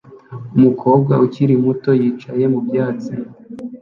Umukobwa ukiri muto yicaye mu byatsi